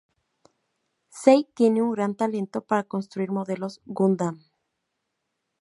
Sei tiene un gran talento para construir modelos Gundam.